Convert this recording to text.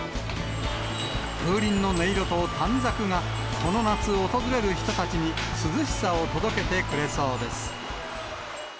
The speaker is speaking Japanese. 風鈴の音色と短冊が、この夏訪れる人たちに、涼しさを届けてくれそうです。